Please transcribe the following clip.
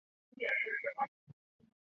举人出身。